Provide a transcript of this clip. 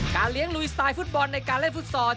เลี้ยงลุยสไตล์ฟุตบอลในการเล่นฟุตซอล